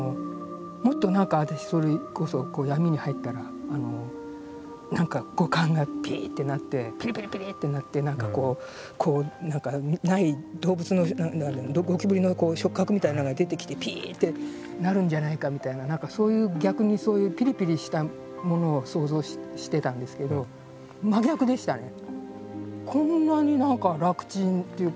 もっと何か私それこそ闇に入ったら五感がピッてなってピリピリピリッてなって何かこう何か動物のゴキブリの触角みたいなのが出てきてピッてなるんじゃないかみたいな何かそういう逆にそういうピリピリしたものを想像してたんですけど真逆でしたね。